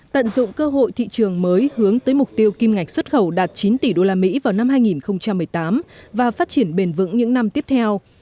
tận dụng cơ hội thị trường mới hướng tới mục tiêu kim ngạch xuất khẩu đạt chín tỷ usd vào năm hai nghìn một mươi tám và phát triển bền vững những năm tiếp theo